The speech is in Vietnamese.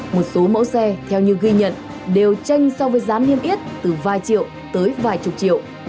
một số mẫu xe theo như ghi nhận đều tranh so với giá niêm yết từ vài triệu tới vài chục triệu